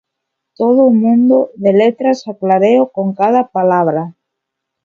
Todo un mundo de letras a clareo con cada palabra!